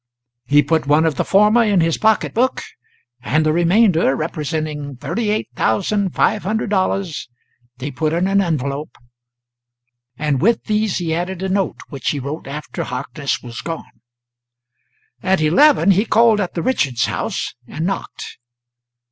He put one of the former in his pocket book, and the remainder, representing $38,500, he put in an envelope, and with these he added a note which he wrote after Harkness was gone. At eleven he called at the Richards' house and knocked.